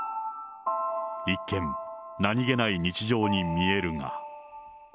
一見、何気ない日常に見えるが。